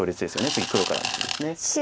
次黒からですね。